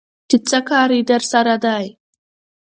چې څه کار يې درسره دى?